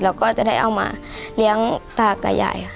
แล้วก็จะได้เอามาเลี้ยงตากับยายค่ะ